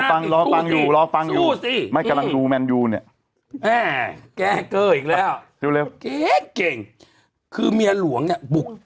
อ่ะกลมหน้าทำไม